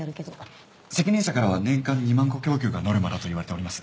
責任者からは年間２万戸供給がノルマだと言われております。